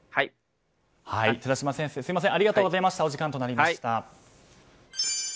寺嶋先生ありがとうございました。